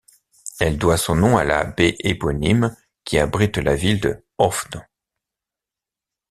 Elle doit son nom à la baie éponyme qui abrite la ville de Höfn.